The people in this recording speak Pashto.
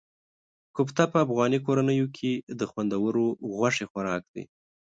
کوفته په افغاني کورنیو کې د خوندورو غوښې خوراک دی.